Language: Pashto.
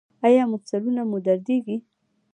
ایا مفصلونه مو دردیږي؟